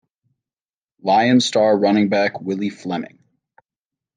Lions star running back Willie Fleming.